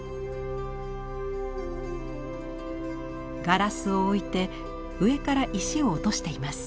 ガラスを置いて上から石を落としています。